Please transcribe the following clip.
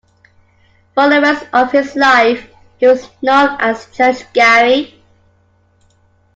For the rest of his life he was known as Judge Gary.